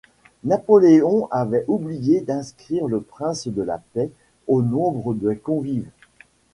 Napoléon avait oublié d'inscrire le prince de la Paix au nombre des convives.